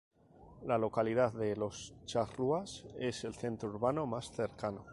La localidad de Los Charrúas es el centro urbano más cercano.